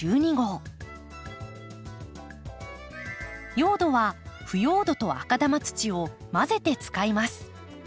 用土は腐葉土と赤玉土を混ぜて使います。